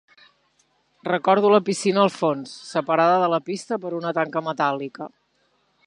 Recordo la piscina al fons, separada de la pista per una tanca metàl·lica.